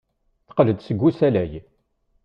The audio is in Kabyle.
Teqqel-d seg usalay.